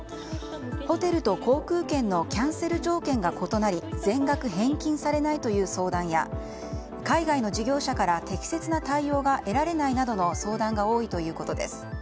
ホテルと航空券のキャンセル条件が異なり全額返金されないという相談や海外の事業者から適切な対応が得られないなどの相談が多いということです。